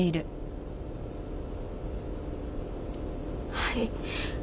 はい。